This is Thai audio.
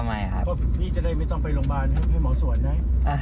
เพราะพี่จะได้ไม่ต้องไปโรงพยาบาลให้หมอสวดนะ